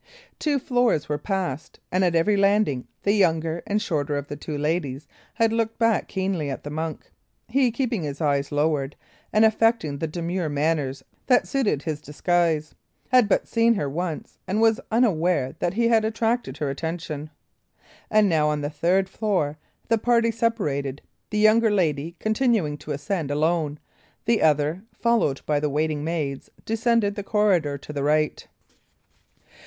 Two floors were passed, and at every landing the younger and shorter of the two ladies had looked back keenly at the monk. He, keeping his eyes lowered, and affecting the demure manners that suited his disguise, had but seen her once, and was unaware that he had attracted her attention. And now, on the third floor, the party separated, the younger lady continuing to ascend alone, the other, followed by the waiting maids, descending the corridor to the right.